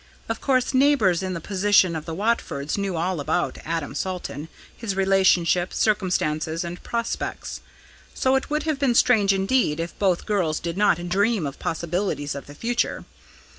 Of course neighbours in the position of the Watfords knew all about Adam Salton, his relationship, circumstances, and prospects. So it would have been strange indeed if both girls did not dream of possibilities of the future.